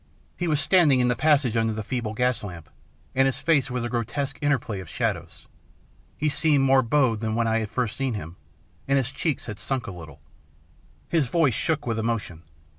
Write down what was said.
He was standing in the passage under the feeble gas lamp, and his face was a grotesque interplay of shadows. He seemed more bowed than when I had first seen him, and his cheeks had sunk in a little. His voice shook with emotion.